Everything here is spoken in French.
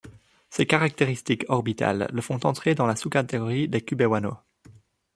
Ces caractéristiques orbitales le font entrer dans la sous-catégorie des cubewanos.